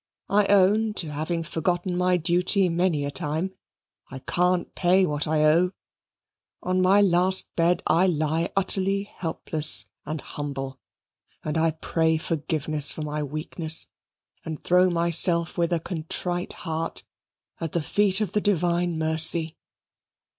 I own to having forgotten my duty many a time. I can't pay what I owe. On my last bed I lie utterly helpless and humble, and I pray forgiveness for my weakness and throw myself, with a contrite heart, at the feet of the Divine Mercy."